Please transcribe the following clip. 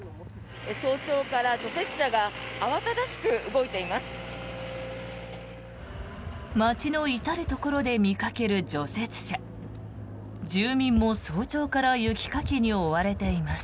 早朝から除雪車が慌ただしく動いています。